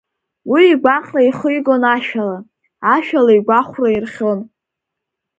Уи игәаҟра ихигон ашәала, ашәала игәахәра ирӷьон.